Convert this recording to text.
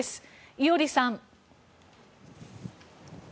伊従さん。